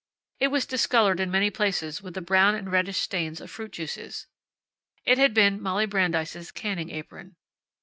It was discolored in many places with the brown and reddish stains of fruit juices. It had been Molly Brandeis' canning apron.